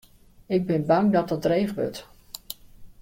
Ik bin bang dat dat dreech wurdt.